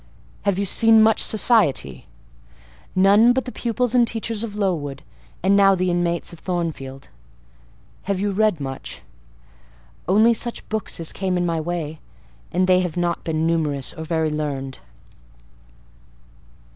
"Have you seen much society?" "None but the pupils and teachers of Lowood, and now the inmates of Thornfield." "Have you read much?" "Only such books as came in my way; and they have not been numerous or very learned."